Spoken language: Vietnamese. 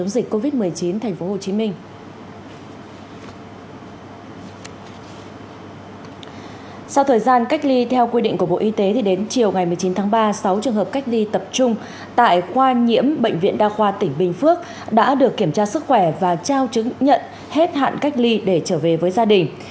sau thời gian cách ly theo quy định của bộ y tế đến chiều ngày một mươi chín tháng ba sáu trường hợp cách ly tập trung tại khoa nhiễm bệnh viện đa khoa tỉnh bình phước đã được kiểm tra sức khỏe và trao chứng nhận hết hạn cách ly để trở về với gia đình